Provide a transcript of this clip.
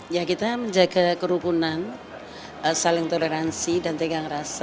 ya kita menjaga kerukunan saling toleransi dan tegang rasa